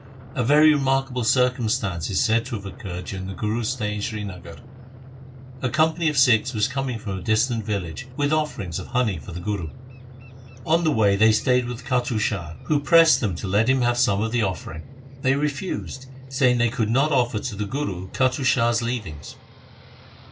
A very remarkable circumstance is said to have occurred during the Guru's stay in Srinagar. A company of Sikhs was coming from a distant village with offerings of honey for the Guru. On the way they stayed with Kattu Shah, who pressed them to let him have some of the offering. They refused, saying that they could not offer to the Guru Kattu Shah's leavings.